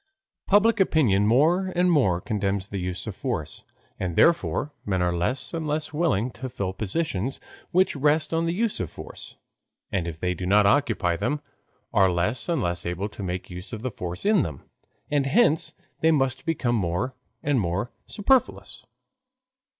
Public opinion more and more condemns the use of force, and therefore men are less and less willing to fill positions which rest on the use of force, and if they do occupy them, are less and less able to make use of force in them. And hence they must become more and more superfluous.